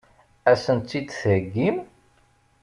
Ad sent-tt-id-theggim?